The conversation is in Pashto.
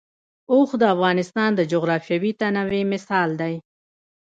اوښ د افغانستان د جغرافیوي تنوع مثال دی.